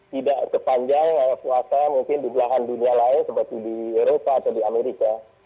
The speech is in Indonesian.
tidak sepanjang puasa mungkin di belahan dunia lain seperti di eropa atau di amerika